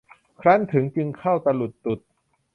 ครั้นถึงจึงเข้าตะหลุดตุด